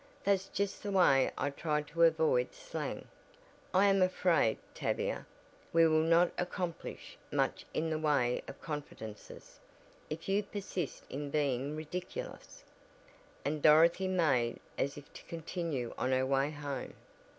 That's just the way I try to avoid slang." "I am afraid, Tavia, we will not accomplish much in the way of confidences, if you persist in being ridiculous," and Dorothy made as if to continue on her way home.